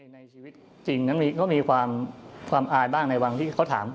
ในชีวิตจริงนั้นเขามีความอายบ้างในวังที่เขาถาม